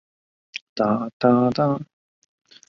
至于国际核数师为安永会计师事务所。